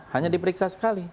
hanya diperiksa sekali